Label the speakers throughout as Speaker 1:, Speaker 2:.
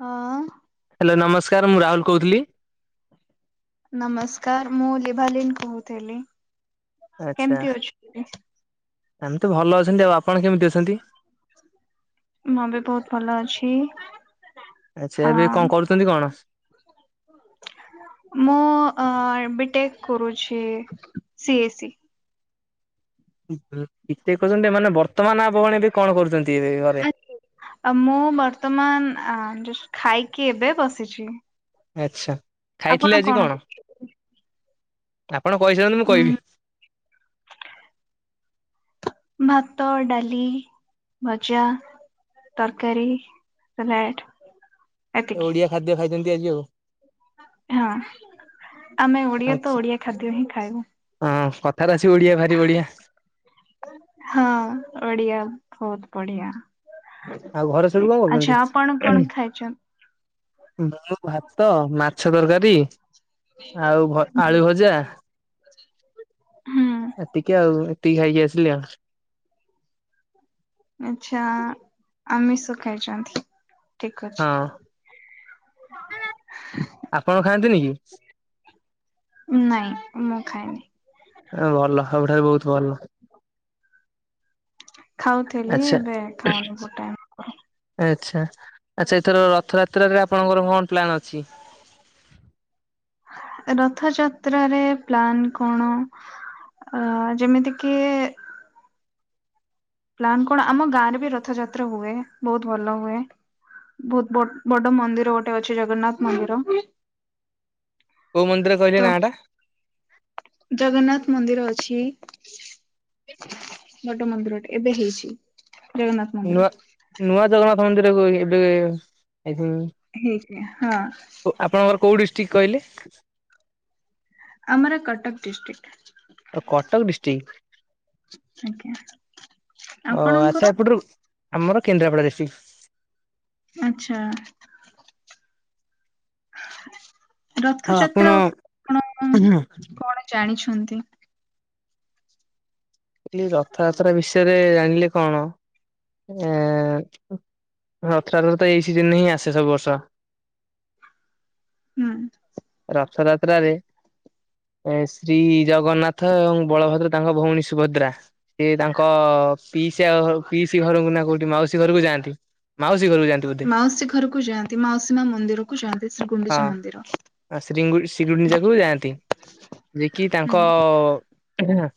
Speaker 1: ହଁ।
Speaker 2: ହାଲୋ ନମସ୍କାର। ମୁଁ ରାହୁଲ କହୁଥିଲି।
Speaker 1: ନମସ୍କାର। ମୁଁ ଲିଭାଲିନ କହୁଥିଲି। କେମତି ଅଛନ୍ତି?
Speaker 2: ଏମିତି ଭଲ ଅଛନ୍ତି ଆଉ ଆପ
Speaker 1: ମୁଁ ବି ବହୁତ ଭଲ ଅଛି।
Speaker 2: ଆଚ୍ଛା
Speaker 1: ଅ
Speaker 2: ଏବେ କଣ କରୁଚନ୍ତି କଣ?
Speaker 1: ମୁଁ ଅଁ ବିଟେକ୍ କରୁଛି C A C.
Speaker 2: B tech କରୁଚନ୍ତି ଯେ ମାନେ ବର୍ତ୍ତମାନ ଆପଣ ଏବେ କଣ କରୁଛନ୍ତି? ଏବେ ଘରେ?
Speaker 1: ମୁଁ କି ମୁଁ ବର୍ତ୍ତମାନ ଯଷ୍ଟ ଖାଇକି ଏବେ ବସିଛି।
Speaker 2: ଆଚ୍ଛା।
Speaker 1: ଆପଣ
Speaker 2: ଖାଇଥିଲେ ଆଜି କଣ?
Speaker 1: କରୁଛନ୍ତି?
Speaker 2: ଆପଣ କହିସାରନ୍ତୁ ମୁଁ
Speaker 1: ଉଁ
Speaker 2: କହିବି।
Speaker 1: ଭାତ, ଡାଲି, ଭଜା ତରକାରୀ, ସାଲାଡ଼।
Speaker 2: ଓଡିଆ ଖାଦ୍ୟ ଖାଇଛନ୍ତି ଆଜି ଆଉ।
Speaker 1: ହଁ ଆମେ ଓଡିଆ
Speaker 2: ଆଚ୍ଛା
Speaker 1: ତ ଓଡିଆ ଖାଦ୍ୟ ହିଁ ଖାଇବୁ।
Speaker 2: ହଁ କଥାରେ ଅଛି ଓଡିଆ ଭାରି ବଢିଆ
Speaker 1: ହଁ ଓଡ଼ିଆ ବହୁତ ବଢିଆ।
Speaker 2: ଆଉ ଘରେ ସବୁ କଁ
Speaker 1: ଆଚ୍ଛା ଆପଣ କଣ
Speaker 2: କରୁଚନ୍ତି?
Speaker 1: ଖାଇଛନ୍ତି
Speaker 2: ମୁଁ ଭାତ, ମାଛ ତରକାରୀ ଆଉ ଭ ଆଳୁ ଭଜା
Speaker 1: ହୁଁ।
Speaker 2: ଏତିକି ଆଉ ଏତିକି ଖାଇକି ଆସିଲି ଆଉ।
Speaker 1: ଆଚ୍ଛା ଆମିଷ ଖାଇଚନ୍ତି?
Speaker 2: ହଁ ଆପଣ ଖାଆନ୍ତିନି କି?
Speaker 1: ଉଁ ନାଇଁ ମୁଁ ଖାଏନି।
Speaker 2: ଏ ଭଲ ଏଗୁଡ଼ାବି ବହୁତ ଭଲ।
Speaker 1: ଖାଉଥିଲି
Speaker 2: ଆଚ୍ଛା
Speaker 1: ଏବେ ଖାଉନି ଗୋଟାଏ [unintelligible]
Speaker 2: ଆଚ୍ଛା, ଆଚ୍ଛା ଏଥର ରଥଯାତ୍ରାରେ ଆପଣଙ୍କର କଣ ପ୍ଲାନ୍ ଅଛି?
Speaker 1: ରଥଯାତ୍ରାରେ ପ୍ଲାନ୍ କଣ ଅ ଯେମିତି କିି ପ୍ଲାନ କଣ ଆମ ଗାଁ ରେ ବି ରଥଯାତ୍ରା ହୁଏ ବହୁତ ଭଲ ହୁଏ। ବହୁତ ବଡ୍ ବଡ ମନ୍ଦିର ଗୋଟେ ଅଛି ଜଗନ୍ନାଥ ମନ୍ଦିର
Speaker 2: କୋଉ ମନ୍ଦିର
Speaker 1: ତ
Speaker 2: କହିଲେ ନାଁଟା?
Speaker 1: ଜଗନ୍ନାଥ ମନ୍ଦିର ଅଛି।
Speaker 2: [inaudible]
Speaker 1: ବଡ଼ ମନ୍ଦିର ଟେ ଏବେ ହେଇଛି। ଜଗନ୍ନାଥ ମନ୍ଦିର
Speaker 2: ନୂଆ ନୂଆ ଜଗନ୍ନାଥ ମନ୍ଦିରକୁ ଏବେ
Speaker 1: ହେଇଛି ହଁ
Speaker 2: ଖାଇଥିଲି। ଆପଣଙ୍କର କୋଉ ଡିଷ୍ଟ୍ରିକ୍ କହିଲେ?
Speaker 1: ଆମର କଟକ ଡିଷ୍ଟ୍ରିକ।
Speaker 2: ଓ କଟକ ଡିଷ୍ଟ୍ରିକ।
Speaker 1: ଆଜ୍ଞା।
Speaker 2: ଓ
Speaker 1: ଆପଣଙ୍କର
Speaker 2: ଆଚ୍ଛା ଏପଟରୁ ଆମର କେନ୍ଦ୍ରାପଡ଼ା ଡିଷ୍ଟ୍ରିକ।
Speaker 1: ଆଚ୍ଛା।
Speaker 2: ଆଉ ଆପଣ
Speaker 1: ରଥଯାତ୍ରା ଉପରେ ଆପଣ
Speaker 2: କହିଲି
Speaker 1: କଣ ଜାଣିଛ ଛନ୍ତି?
Speaker 2: କହିଲି ରଥଯାତ୍ରା ବିଷୟରେ ଜାଣିଲେ କଣ ଏ ରଥଯାତ୍ରା ତ ଏଇ ସିଜିନରେ ହିଁ ଆସେ ସବୁ ବର୍ଷ।
Speaker 1: ହୁଁ
Speaker 2: ରଥଯାତ୍ରାରେ ଏ ଶ୍ରୀ ଜଗନ୍ନାଥ ଏବଂ ବଳଭଦ୍ର ତାଙ୍କ ଭଉଣୀ ସୁଭଦ୍ରା ସେ ତାଙ୍କ ପିଇସା ପିଇସି ଘରକୁ ନା କୋଉଠି ମାଉସୀ ଘରକୁ ଯାଆନ୍ତି ମାଉସୀ ଘରକୁ ଯାଆନ୍ତି ବୋଧେ
Speaker 1: ମାଉସୀ ଘରକୁ ଯାଆନ୍ତି। ମାଉସୀ ମା ମନ୍ଦିରକୁ ଯାଆନ୍ତି। ଶ୍ରୀ ଗୁଣ୍ଡିଚା ମନ୍ଦିର।
Speaker 2: ହଁ ଶ୍ରୀଗୁଣ୍ଡି ଶ୍ରୀଗୁଣ୍ଡିଚାକୁ ଯାଆନ୍ତି। ଯେ କିି
Speaker 1: ହୁଁ
Speaker 2: ତାଙ୍କ ଏହେ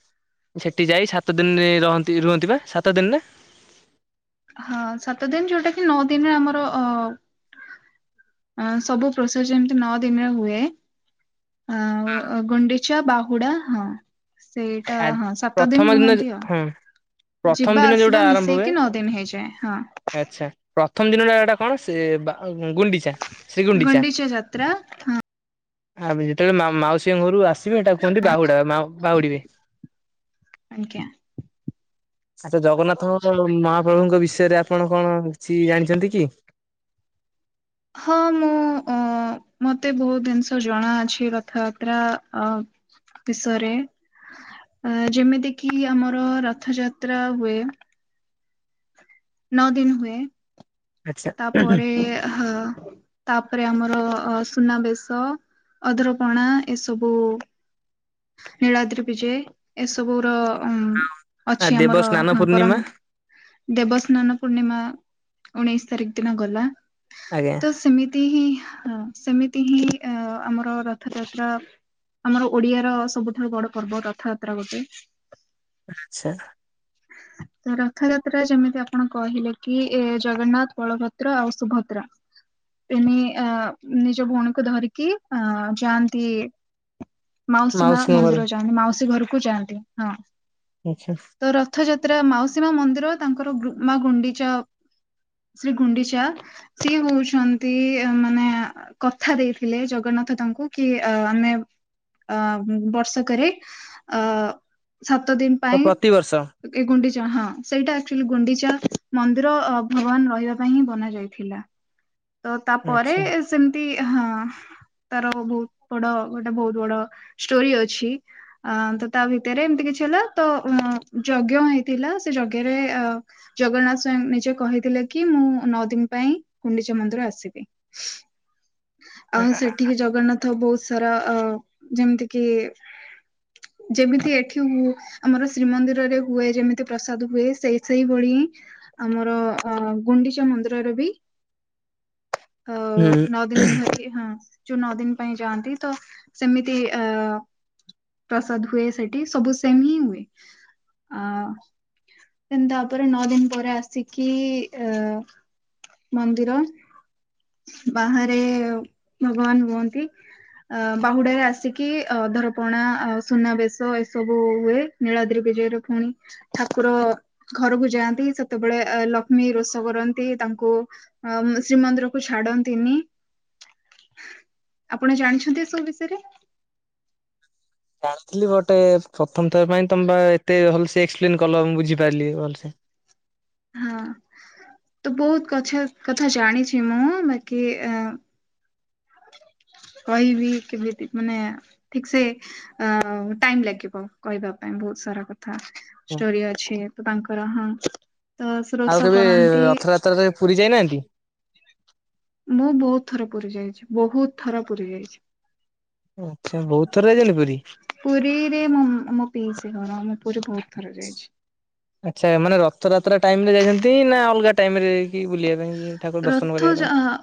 Speaker 2: ସେଠି ଯାଇ ସାତ ଦିନରେ ରହନ୍ତି ରୁହନ୍ତି ବା ସାତ ଦିନରେ?
Speaker 1: ହଁ ସାତ ଦିନ ଯୋଉଟା କି ନଅ ଦିନରେ ଆମର ଅ ଅ ସବୁ ପ୍ରୋସେସ ଯେମିତି ନଅ ଦିନରେ ହୁଏ। ଆଁ ଗୁଣ୍ଡିଚା ବାହୁଡ଼ା ହଁ। ସେଇଟା
Speaker 2: ଆ
Speaker 1: ହଁ ସାତ
Speaker 2: ପ୍ରଥମ
Speaker 1: ଦିନ ରୁହନ୍ତି ଆଉ।
Speaker 2: ହଁ ପ୍ରଥମ
Speaker 1: ଯିବା
Speaker 2: ଦିନ ଯୋଉଟା
Speaker 1: ଆସିବା
Speaker 2: ଆରମ୍ଭ ହୁଏ
Speaker 1: ମିଶେଇକି ନଅ ଦିନ ହେଇଯାଏ ହଁ।
Speaker 2: ଆଚ୍ଛା ପ୍ରଥମ ଦିନଟା ଏଟା କଣ ସେ ବା ଗୁଣ୍ଡିଚା ଶ୍ରୀଗୁଣ୍ଡିଚା।
Speaker 1: ଗୁଣ୍ଡିଚା ଯାତ୍ରା
Speaker 2: ଆ ଯେତେବେଳେ ମା ମାଉସୀଙ୍କ ଘରୁ ଆସିବେ ହେଟାକୁ କୁହନ୍ତି ବାହୁଡା ମା ବାହୁଡିିବେ।
Speaker 1: ଆଜ୍ଞା।
Speaker 2: ଆଚ୍ଛା ଜଗନ୍ନାଥଙ୍କ ମହାପ୍ରଭୁଙ୍କ ବିଷୟରେ ଆପଣ କଣ କିଛି ଜାଣିଛନ୍ତି କି? [inaudible]
Speaker 1: ହଁ ମୁଁ ଉଁ ମତେ ବହୁତ ଜିନିଷ ଜଣାଅଛି ରଥଯାତ୍ରା ଅ ବିଷରେ। ଅ ଯେମିତି କିି ଆମର ରଥଯାତ୍ରା ହୁଏ। ନଅ ଦିନ ହୁଏ।
Speaker 2: ଆଚ୍ଛା
Speaker 1: ତାପରେ ହଁ ତାପରେ ଆମର ଅ ସୁନାବେଶ, ଅଦ୍ରପଣା ଏସବୁ ନୀଳାଦ୍ରି ବିଜୟ ଏସବୁର ଅ
Speaker 2: ଆ
Speaker 1: ଅଛି
Speaker 2: ଦେବ
Speaker 1: ଆମର
Speaker 2: ସ୍ନାନ
Speaker 1: ହ
Speaker 2: ପୂର୍ଣ୍ଣିମା
Speaker 1: ପରମ ଦେବସ୍ନାନ ପୂର୍ଣ୍ଣିମା। ଉଣେଇଶ ତାରିଖ ଦିନ ଗଲା,
Speaker 2: ଆଜ୍ଞା
Speaker 1: ତ ସେମିତି ହିଁ ହଁ ସେମିତି ହିଁ ଆମର ରଥଯାତ୍ରା ଆମର ଓଡିଆ ର ସବୁଠାରୁୁ ବଡ ପର୍ବ ରଥଯାତ୍ରା ଗୋଟେ।
Speaker 2: ଆଚ୍ଛା
Speaker 1: [inaudible] ତ ରଥଯାତ୍ରା ଯେମିତି ଆପଣ କହିଲେ କି ଏ ଜଗନ୍ନାଥ, ବଳଭଦ୍ର ଆଉ ସୁଭଦ୍ରା ଏମୀ ଅ ନିଜ ଭଉଣୀକୁ ଧରିକି ଅ ଯାଆନ୍ତି। ମାଉସୀ ମା
Speaker 2: ମାଉସୀଙ୍କ ଘରେ
Speaker 1: ମନ୍ଦିର ଯାଆନ୍ତି, ମାଉସୀ ଘରକୁ ଯାଆନ୍ତି ହଁ।
Speaker 2: ଆଚ୍ଛା।
Speaker 1: ତ ରଥଯାତ୍ରା ମାଉସୀମା ମନ୍ଦିର ତାଙ୍କର ଗୁ ମା ଗୁଣ୍ଡିଚା ଶ୍ରୀ ଗୁଣ୍ଡିଚା ସିଏ ହଉଛନ୍ତି ମାନେ କଥା ଦେଇଥିଲେ ଜଗନ୍ନା ନାଥ ତାଙ୍କୁ କି ଆମେ ଅ ବର୍ଷକରେ ଅ ସାତ ଦିନ ପାଇଁ।
Speaker 2: ପ୍ରତିବର୍ଷ
Speaker 1: ଏ ଗୁଣ୍ଡିଚା ହଁ ସେଇଟା ଆକ୍ଚୁଲି ଗୁଣ୍ଡିଚା ମନ୍ଦିର ଭଗବାନ ରହିବା ପାଇଁ ହିଁ ବନା ଯାଇଥିଲା।
Speaker 2: [inaudible]
Speaker 1: ଅ ତାପରେ
Speaker 2: ଆଚ୍ଛା
Speaker 1: ସେମିତି ହଁ। ତାର ବହୁତ ବଡ ଗୋଟେ ବହୁତ ବଡ ଷ୍ଟୋରି ଅଛି ଅ ତ ତା ଭିତରେ ଏମତି କିଛି ଥିଲା ତ ଯଜ୍ଞ ହେଇଥିଲା ସେ ଯଜ୍ଞରେ ଅ ଜଗନ୍ନାଥ ସ୍ଵୟଂ ନିଜେ କହିଥିଲେ କି ମୁଁ ନଅ ଦିନ ପାଇଁ ଗୁଣ୍ଡିଚା ମନ୍ଦିର ଆସିବେ।
Speaker 2: [inaudible]
Speaker 1: ଆଉ ସେଠିକି ଜଗନ୍ନାଥ ବହୁତ ସାରା ଅ ଯେମିତି କିି ଯେମିତି ଏଠି ହୁ ଆମର ଶ୍ରୀମନ୍ଦିର ରେ ହୁଏ ଯେମିତି ପ୍ରସାଦ ହୁଏ। ସେ ସେଇଭଳି ଆମର ଅ ଗୁଣ୍ଡିଚା ମନ୍ଦିରର ବି।
Speaker 2: [inaudible]
Speaker 1: ଅ
Speaker 2: ହୁଁ।
Speaker 1: ନଅ ଦିନ ଧରି ହଁ। ଯୋଉ ନଅ ଦିନ ପାଇଁ ଯାଆନ୍ତି, ତ ସେମିତି ଅ ପ୍ରସାଦ ହୁଏ ସେଠି ସବୁ ସେମ ହିଁ ହୁଏ। ଆ ଦେନ୍ ତାପରେ ନଅ ଦିନ ପରେ ଆସିକି ଅ ମନ୍ଦିର ବାହାରେ ଭଗବାନ ହୁଅନ୍ତି। ଅ ବାହୁଡ଼ା ରେ ଆସିକି ଅ ଅଧରପଣା, ସୁନାବେଶ ଏସବୁ ହୁଏ। ନୀଳାଦ୍ରି ବିଜୟର ପୁଣି ଠାକୁର ଘରକୁ ଯାଆନ୍ତି, ସେତେବେଳେ ଲକ୍ଷ୍ମୀ ରୋଷ କରନ୍ତି ତାଙ୍କୁ ଅମ ଶ୍ରୀମନ୍ଦିରକୁ ଛାଡନ୍ତିନି।
Speaker 2: [inaudible]
Speaker 1: ଆପଣ ଜାଣିଛନ୍ତି ଏସବୁ ବିଷୟରେ?
Speaker 2: ଜାଣିଥିଲି ବଟ ଏ ପ୍ରଥମ ଥର ପାଇଁ ତମ ବା ଏତେ ଭଲସେ ଏକ୍ସପ୍ଲେନ କଲ ମୁଁ ବୁଝିପାରିଲି ଭଲସେ।
Speaker 1: ହଁ। ତ ବୋହୁତ କଛା କଥା ଜାଣିଛି ମୁଁ ବାକି ଆଁ କହିବି କେମିତି ମାନେ ଠିକ ସେ ଅ ଟାଇମ ଲାଗିବ କହିବା ପାଇଁ। ବୋହୁତ ସାରା କଥା
Speaker 2: ହଁ
Speaker 1: ଷ୍ଟୋରି ଅଛି ତ ତାଙ୍କର ହଁ। ତ ସେ
Speaker 2: ଆଉ
Speaker 1: ରୋଷ
Speaker 2: କେବେ
Speaker 1: କରନ୍ତି।
Speaker 2: ରଥଯାତ୍ରାରେ ପୁରୀ ଯାଇନାହାନ୍ତି?
Speaker 1: ମୁଁ ବୋହୁତ ଥର ପୁରି ଯାଇଛି ବୋହୁତ ଥର ପୁୀରି ଯାଇଛି।
Speaker 2: ଆଚ୍ଛା ବୋହୁତ ଥର। ଯାଇଛନ୍ତି ପୁରୀ
Speaker 1: ପୁରୀରେ ମୋ ମୋ ପିଇସି ଘର ମୁଁ ପୁରୀ ବୋହୁତ ଥର ଯାଇଛି।
Speaker 2: ଆଚ୍ଛା ମାନେ ରଥଯାତ୍ରା ଟାଇମ ରେ ଯାଇଛନ୍ତି ନା ଅଲଗା ଟାଇମ ରେ। କି ବୁଲିବା ପାଇଁ ଠାକୁର ଦର୍ଶନ
Speaker 1: ରଥ
Speaker 2: କରିବା
Speaker 1: ଜ୍ ହଁ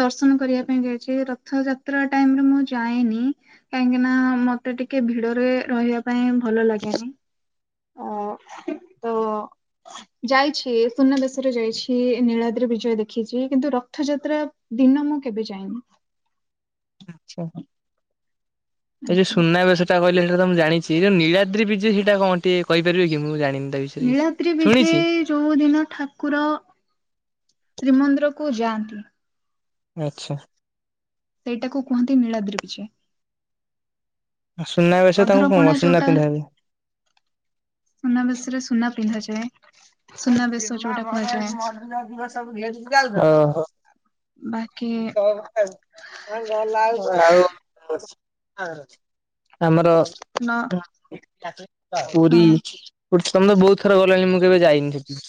Speaker 1: ଦର୍ଶନ କରିବା ପାଇଁ ଯାଇଛି ରଥ ଯାତ୍ ଯାତ୍ରା ଟାଇମ୍ ରେ ମୁଁ ଯାଏନି। କାହିଁକି ନା ମତେ ଟିକେ ଭିଡରେ ରହିବା ପାଇଁ ଭଲ ଲାଗେନି। ଅ ତ ଯାଇଛି ସୁନାବେେଶରେ ଯାଇଛି। ଇଏ ନୀଳାଦ୍ରି ବିଜୟ ଦେଖିଛି କିନ୍ତୁ ରଥଯାତ୍ରା ଦିନ ମୁଁ କେବେ ଯାଇନି।
Speaker 2: ଆଛା ଏ ଯୋଉ
Speaker 1: ଆଜ୍ଞା।
Speaker 2: ସୁନା ବେଶ ଟା କହିଲେ ସେଟା ତ ମୁଁ ଜାଣିଚ୍। ସେ ଯେଉଁ ନୀଳାଦ୍ରି ବିଯେ ସେଟା କଣ ଟିକଏ କହିପାରିବେ କି ମୁଁ ଜାଣିନି। ତା ବିଷୟରେ କିଛି।
Speaker 1: ନୀଳାଦ୍ରି ବିଜେ
Speaker 2: ଶୁଣିଛି।
Speaker 1: ଯୋଉ ଦିନ ଠାକୁର ଶ୍ରୀମନ୍ଦିର କୁ ଯାଆନ୍ତୁ।
Speaker 2: ଆଛା।
Speaker 1: ସେଇଟାକୁ କୁହନ୍ତି ନୀଳାଦ୍ରିବିଜେ।
Speaker 2: ଆଉ ସୁନାବେଶ ତାଙ୍କୁ
Speaker 1: ଅଧର
Speaker 2: କଣ
Speaker 1: ପଣା
Speaker 2: ସୁନା
Speaker 1: ଯୋଉଟା
Speaker 2: ପିନ୍ଧା ହୁଏ।
Speaker 1: ସୁନାବେେଶରେ ସୁନା ପିନ୍ଧାଯାଏ। ସେ [unintelligible]
Speaker 2: [unintelligible] ଅ ହ
Speaker 1: ବାକି
Speaker 2: [unintelligible] ଆଉ ବସିଚି ଆମର
Speaker 1: ନ ହଁ
Speaker 2: ପୁରୀ ପୁର୍ ତମେ ତ ବୋହୁତ ଥର ଗଲାଣି ମୁଁ କେବେ ଯାଇନି ସେଠି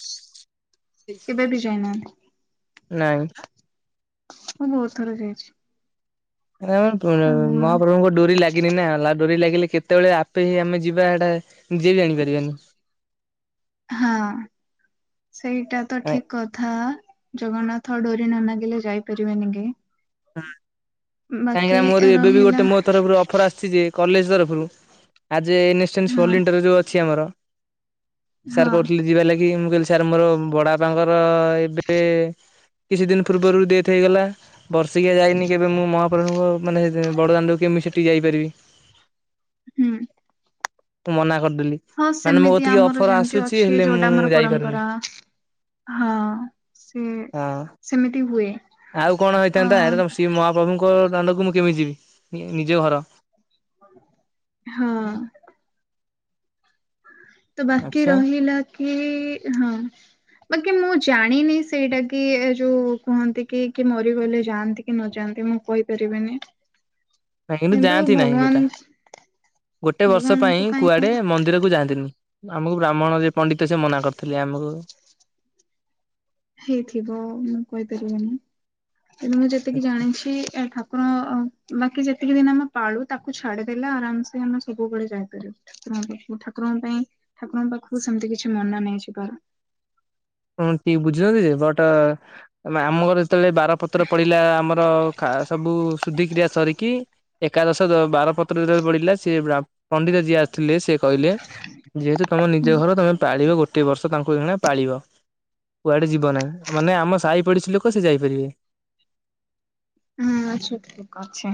Speaker 1: କେବେ ବି ଯାଇନାହାନ୍ତି।
Speaker 2: ନାଇଁ।
Speaker 1: ମୁଁ ବୋହୁତ ଥର ଯାଇଛି।
Speaker 2: [unintelligible]
Speaker 1: ଆଉ
Speaker 2: ମହାପ୍ରଭୁଙ୍କ ଡୋରି ଲାଗିନି ନା ଲଗ୍। ଡୋରି ଲାଗିଲେ କେତେବେଳେ ଆପେ ହି ଆମେ ଯିବା ହେଟା ନିଜେ ବି ଜାଣିପାରିବାନି।
Speaker 1: ହଁ ସେଇଟା ତ ଠିକ କଥା। ଜଗନ୍ନାଥ ଡୋରି ନ ନାଗିଲେ ଯାଇପାରିବେନି କେହି।
Speaker 2: ହଁ କାହିଁକିନା ମୋର ଏବେ ବି
Speaker 1: ରହିଲା
Speaker 2: ଗୋଟେ ମୋ ତରଫରୁ ଅଫର ଆସିଛି ଯେ କଲେଜ ତରଫରୁ ଆଜ ଏ ଏନଷ୍ଟେନ୍ସ
Speaker 1: ହଁ
Speaker 2: ଭଲିଣ୍ଟର ଯୋଉ ଅଛି ଆମର [unintelligible]
Speaker 1: ହଁ
Speaker 2: ସାର୍ କହୁଥିଲେ ଯିବା ଲାଗି ମୁଁ କହିଲି ସାର୍ ମୋର ବଡ ବାପାଙ୍କର ଏବେ କିଛି ଦିନ ପୂର୍ବରୁ ଡେଥ୍ ହେଇଗଲା। ବର୍ଷିକିଆ ଯାଇନି କେବେ ମୁଁ ମହାପ୍ରଭୁଙ୍କ ମାନେ ବଡ଼ଦାଣ୍ଡକୁ କେମିତି ସେଠିକି ଯାଇପାରିବି।
Speaker 1: ହୁଁ।
Speaker 2: ମୁଁ ମନା କରିଦେଲି
Speaker 1: ହଁ
Speaker 2: ମାନେ ମୋ
Speaker 1: ସେମିତି
Speaker 2: କତିକି
Speaker 1: ଆମର
Speaker 2: ଅଫର
Speaker 1: ଯେମିତି
Speaker 2: ଆସୁଛି
Speaker 1: ଅଛି
Speaker 2: ହେଲେ
Speaker 1: ଯୋଉଟା
Speaker 2: ମୁଁ
Speaker 1: ଆମର
Speaker 2: ଯାଇପାରୁନି।
Speaker 1: ପରମ୍ପରା ହଁ ସିଏ
Speaker 2: ହଁ
Speaker 1: ସେମିତି ହୁଏ।
Speaker 2: [unintelligible]
Speaker 1: ଅ
Speaker 2: ଶ୍ରୀ ମହାପ୍ରଭୁଙ୍କ ଦାଣ୍ଡକୁ ମୁଁ କେମିତି ଯିବି ନିଜ ଘର
Speaker 1: ହଁ। ତ ବାକି
Speaker 2: ଆଚ୍ଛା
Speaker 1: ରହିଲା କି ହଁ ବାକି ମୁଁ ଜାଣିନି ସେଇଟା କି ଏ ଯୋଉ କୁହନ୍ତି କି କିଏ ମରିଗଲେ ଯାଆନ୍ତି କି ନଯାଆନ୍ତି ମୁଁ କହିପାରିବି ବିନି।
Speaker 2: ନାଇଁ କିନ୍ତୁ ଯାଆନ୍ତି ନାହିଁ ସେଟା ଗୋଟେ ବର୍ଷ ପାଇଁ କୁଆଡେ ମନ୍ଦିର କୁ ଯାଆନ୍ତିନି ଆମକୁ ବ୍ରାହ୍ମଣ ଯେ ପଣ୍ଡିତ ସେ ମନା କରିଥିଲେ ଆମକୁ
Speaker 1: ହେଇଥିବ ମୁଁ କହିପାରିବନି। କିନ୍ତୁ ମୁଁ ଯେତିକି ଜାଣିଛି ଏ ଠାକୁର ଅ ବାକି ଯେ ଯେତିକି ଦିନ ଆମେ ପାଳୁ ତାକୁ ଛାଡ଼ିଦେଲେ ଆରାମସେ ଆମେ ସବୁବେଳେ ଯାଇପାରିବୁ ଠାକୁରଙ୍କ ପାଖକୁ ଠାକୁରଙ୍କ ପାଇଁ ଠାକୁରଙ୍କ ପାଖକୁ ସେମିତି କିଛି ମନା ନାଇଁ ଯିବାର।
Speaker 2: ହଁ କି ବୁଝୁଛନ୍ତି ଯେ ବଟ ଆମ ଘରେ ଯେତେବେଳେ ବାର ପତ୍ରପଡ଼ିଲା ଆମର ସବୁ ଶୁଧିକ୍ରିୟା ସରିକି ଏକାଦଶ ବାରପତ୍ର ଯେତେବେଳେ ପଡ଼ିଲା ସେ ବ୍ରାହ୍ମ ପଣ୍ଡିତ ଯିଏ ଆସିଥିଲେ ସେ କହିଲେ। ଯେହେତୁ ତମ ନିଜ
Speaker 1: ହୁଁ
Speaker 2: ଘର ତମେ ପାଳିବ ଗୋଟେ ବର୍ଷ ତାଙ୍କୁ ଜଣେ ପାଳିବ। କୁଆଡ଼େ ଯିବ ନାହିଁ ମାନେ ଆମ ସାହି ପୋଡ଼ିଶା ଲୋକ ସେ ଯାଇପାରିବେ।
Speaker 1: ହୁଁ ଆଛା ଠିକ ଅଛି।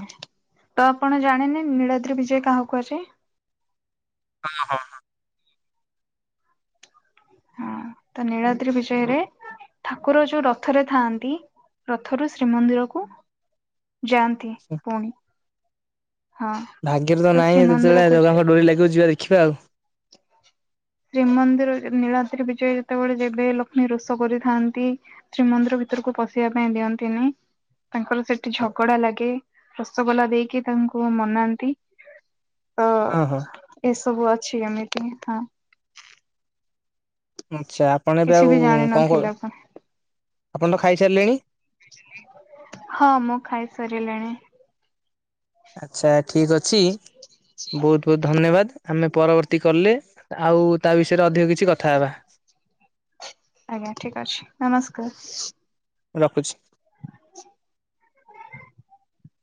Speaker 1: ତ ଆପଣ ଜାଣିନେ ନୀଳଦ୍ରି ବିଜୟ କାହାକୁ କୁହାଯାଏ?
Speaker 2: ହଁ ହଁ ହଁ।
Speaker 1: ହଁ ତ ନିଳାଦ୍ରି ବିଜୟରେ ଠାକୁର ଯୋଉ ରଥରେ ଥାଆନ୍ତି ରଥରୁ ଶ୍ରୀମନ୍ଦିର କୁ ଯାଆନ୍ତି ପୁଣି। ହଁ
Speaker 2: ଭାଗ୍ୟରେ ତ ନାହିଁ ଯେତେବେଳେ ଜଗାଙ୍କ ଡୋରୀ ଲାଗିବ ଯିବା ଦେଖିବା ଆଉ।
Speaker 1: ଶ୍ରୀମନ୍ଦିର ନୀଳାଦ୍ରି ବିଜୟ ଯେତେବେଳେ ଯିବେ ଲକ୍ଷ୍ମୀ ରୋଷ କରିଥାନ୍ତି ଶ୍ରୀମନ୍ଦିର ଭିତରକୁ ପଶିବା ପାଇଁ ଦିଅନ୍ତିନି। ତାଙ୍କର ସେଠି ଝଗଡ଼ା ଲାଗେ ରସଗୋଲା ଦେଇକି ତାଙ୍କୁ ମନାନ୍ତି।
Speaker 2: [inaudible]
Speaker 1: ତ
Speaker 2: ହଁ
Speaker 1: ଏସବୁ ଅଛି ଏମିତି ହଁ।
Speaker 2: ଆଚ୍ଛା ଆପଣ ଏବେ
Speaker 1: କିଛି
Speaker 2: ଆଉ
Speaker 1: ବି
Speaker 2: କଣ କ
Speaker 1: ଜାଣିନଥିଲେ ଆପଣ
Speaker 2: ଆପଣ ତ ଖାଇସାରିଲେଣି?
Speaker 1: ହଁ ମୁଁ ଖାଇସାରିଲିଣି।
Speaker 2: ଆଚ୍ଛା ଠିକ ଅଛି ବହୁତ ବହୁତ ଧନ୍ୟବାଦ ଆମେ ପରବର୍ତ୍ତୀ କଲ୍ ରେ ଆଉ ତା ବିଷୟରେ ଅଧିକ କିଛି କଥା ହେବା।
Speaker 1: ଆଜ୍ଞା। ଠିକ ଅଛି ନମସ୍କାର।
Speaker 2: ରଖୁଛି।
Speaker 1: [unintelligible]